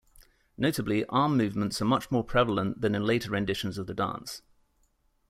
Notably arm-movements are much more prevalent than in later renditions of the dance.